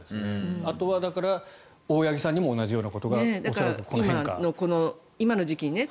あとは大八木さんにも同じようなことが恐らくこの変化。